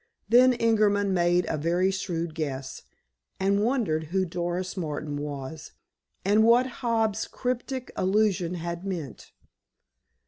Then Ingerman made a very shrewd guess, and wondered who Doris Martin was, and what Hobbs's cryptic allusion had meant.